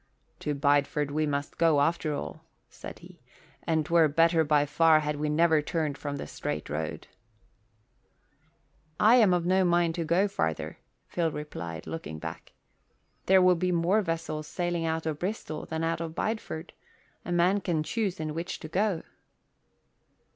"To Bideford we must go, after all," said he, "and 'twere better by far had we never turned from the straight road." "I am of no mind to go farther," Phil replied, looking back. "There will be more vessels sailing out of Bristol than out of Bideford. A man can choose in which to go."